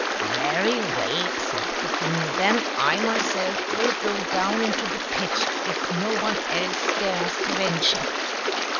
" Very well, said the king, " then I myself will go down into the pit, if no one else dares to venture."